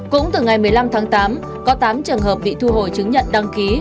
cũng từ ngày một mươi năm tháng tám có tám trường hợp bị thu hồi chứng nhận đăng ký